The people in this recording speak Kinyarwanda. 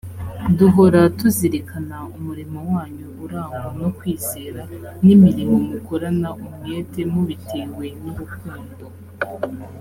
duhora tuzirikana umurimo wanyu urangwa no kwizera n imirimo mukorana umwete mubitewe n urukundo